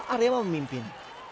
empat dua arewa memimpin